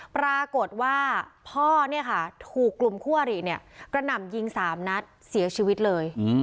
ปรากฏว่าพ่อถูกกลุ่มคั่วอริกระหน่ำยิง๓นัดเสียชีวิตเลย